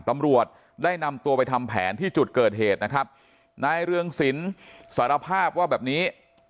ตำรวจได้นำตัวไปทำแผนที่จุดเกิดเหตุนะครับนายเรืองศิลป์สารภาพว่าแบบนี้